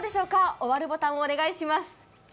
終わるボタンをお願いします。